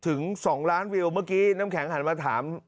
ถึง๒ล้านวิวเมื่อกี้น้ำแข็งหันมาถาม